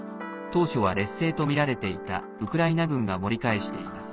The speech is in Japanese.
当初は劣勢とみられていたウクライナ軍が盛り返しています。